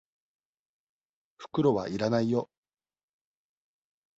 袋は要らないよ。